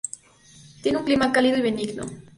Tiene un clima cálido y benigno.